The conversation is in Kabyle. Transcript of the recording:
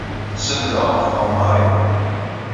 Senndeɣ ɣef tɣemmar-inu.